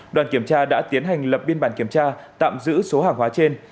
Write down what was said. đoàn kiểm tra đã tiến hành lập biên bản kiểm tra tạm giữ số hàng hóa trên